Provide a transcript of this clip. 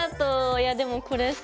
いやでもこれさ。